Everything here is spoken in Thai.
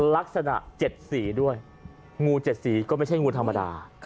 ลักษณะ๗สีด้วยงู๗สีก็ไม่ใช่งูธรรมดา